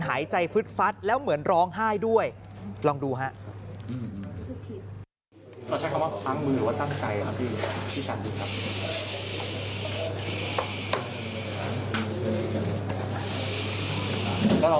หายใจฟึดฟัดแล้วเหมือนร้องไห้ด้วยลองดูฮะ